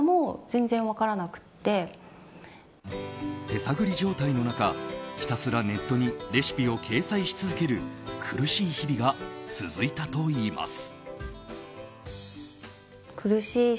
手探り状態の中、ひたすらネットにレシピを掲載し続ける苦しい日々が続いたといいます。